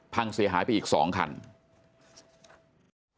เพราะเสียหายไปอีก๒ครั้ง